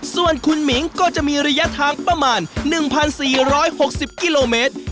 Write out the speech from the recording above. ส่วนคุณหมิงก็จะมีระยะทางประมาณ๑๔๖๐กิโลเมตร